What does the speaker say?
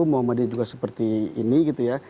muhammadiyah juga seperti ini gitu ya